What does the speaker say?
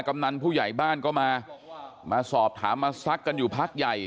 กำนันผู้ใหญ่บ้านก็มามาสอบถามมาซักกันอยู่พักใหญ่